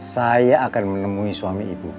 saya akan menemui suami ibu